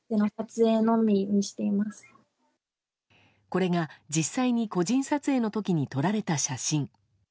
これが実際に個人撮影の時に撮られた写真。